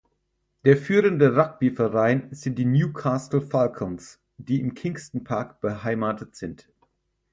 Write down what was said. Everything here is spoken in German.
Der führende Rugbyverein sind die Newcastle Falcons, die im Kingston Park beheimatet sind.